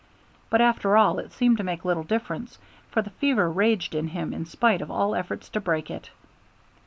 But after all it seemed to make little difference, for the fever raged in him in spite of all efforts to break it.